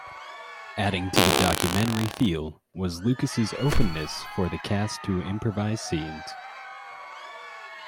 Adding to the documentary feel was Lucas's openness for the cast to improvise scenes.